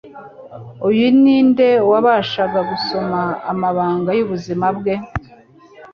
Uyu ni nde wabashaga gusoma amabanga y’ubuzima bwe?